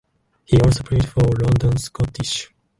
He also played for London Scottish.